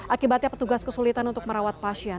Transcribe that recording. akibatnya petugas kesulitan untuk merawat pasien